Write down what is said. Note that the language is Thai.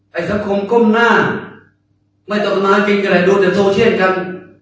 ไม่ต่อจำนานพิจารณารายดูแต่โทรเช่นกัน